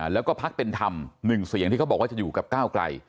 แล้วก็พักเป็นธรรม๑เสียงที่เขาบอกว่าจะอยู่กับก้าวไกล